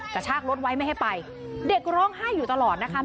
กระชากรถไว้ไม่ให้ไปเด็กร้องไห้อยู่ตลอดนะคะ